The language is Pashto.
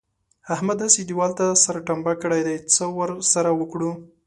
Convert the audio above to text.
احمد هسې دېوال ته سر ټنبه کړی دی؛ څه ور سره وکړو؟!